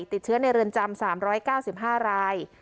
ติดเชื้อในเรือนจำ๓๙๕ราย